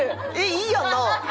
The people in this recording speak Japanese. いいやんな？